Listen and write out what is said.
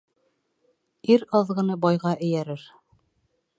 Ир аҙғыны байға эйәрер.